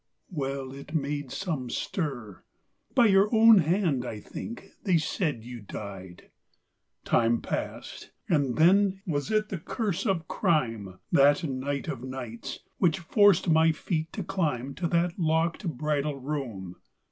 Well, it made some stir By your own hand, I think, they said you died. IV Time passed. And then was it the curse of crime, That night of nights, which forced my feet to climb To that locked bridal room?